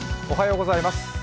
おはようございます。